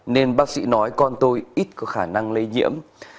nên bác sĩ nói con tôi ít có khả năng lây nhiễm